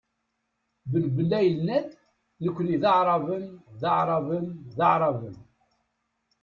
Ben Bella yenna-d : "Nekni d aɛraben, d aɛraben, d aɛraben".